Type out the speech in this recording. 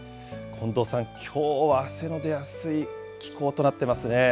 近藤さん、きょうは汗の出やすい気候となってますね。